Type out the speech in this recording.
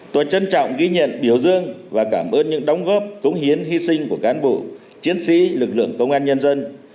tôi trân trọng ghi nhận biểu dương và cảm ơn những đóng góp cống hiến hy sinh của cán bộ chiến sĩ lực lượng công an nhân dân